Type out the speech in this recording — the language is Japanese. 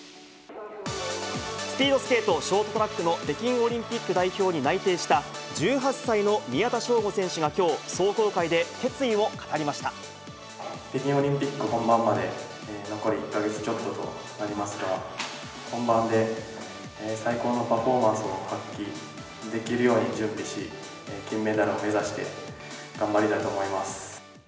スピードスケートショートトラックの北京オリンピック代表に内定した１８歳の宮田将吾選手がきょう、北京オリンピック本番まで、残り１か月ちょっととなりますが、本番で最高のパフォーマンスを発揮できるように準備し、金メダルを目指して頑張りたいと思います。